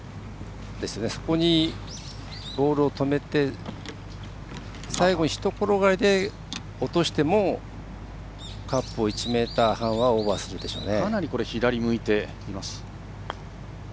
そこに、ボールを止めて最後ひと転がり落としても、カップを１ｍ半はオーバーするでしょうね。